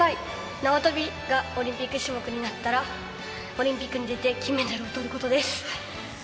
縄跳びがオリンピック種目になったらオリンピックに出て金メダルを取ることです。